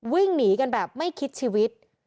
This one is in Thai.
วิ่งหนีกันแบบไม่คิดชีวิต